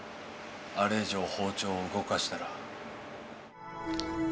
あれ以上包丁を動かしたら。